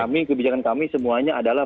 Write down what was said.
kami kebijakan kami semuanya adalah